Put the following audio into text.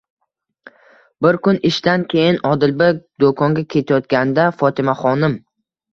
Bir kun ishdan keyin Odilbek do'konga ketayotganda Fotimaxonim: